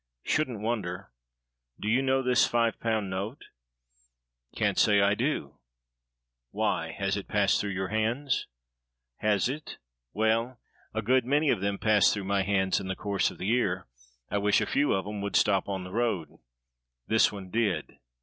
"Shouldn't wonder. Do you know this five pound note?" "Can't say I do." "Why it has passed through your hands?" "Has it? well a good many of them pass through my hands in the course of the year. I wish a few of 'em would stop on the road." "This one did.